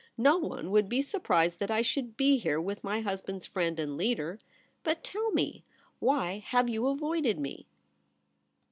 ' No one would be surprised that I should be here with my husband's friend and leader. But tell me, why have you avoided me